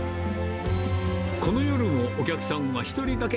この夜もお客さんは１人だけ。